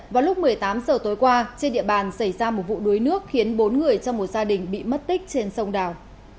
vào lúc một mươi tám h tối qua trên địa bàn xảy ra một vụ đuối nước khiến bốn người trong một gia đình bị mất tích trên sông đào